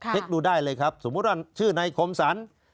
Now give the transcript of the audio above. เช็คดูได้เลยครับสมมุติว่าชื่อในโครมศาล